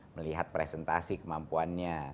melihat presentasi kemampuannya